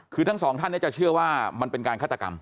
คือทั้งสองท่านจะเชื่อว่ามันเป็นการฆาตกรรม